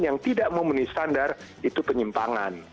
yang tidak memenuhi standar itu penyimpangan